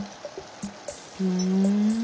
ふん。